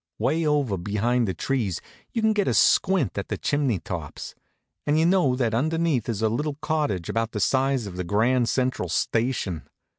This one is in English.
Way over behind the trees you can get a squint at the chimney tops, and you know that underneath is a little cottage about the size of the Grand Central station.